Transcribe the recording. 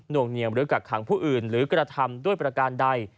วงเนียมหรือกักขังผู้อื่นหรือกระทำด้วยประการใด